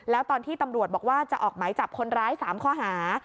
แล้วตอนที่ตำรวจบอกว่าจะออกหมายจับคนร้าย๓ข้อหา